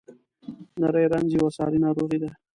نری رنځ یوه ساري ناروغي ده.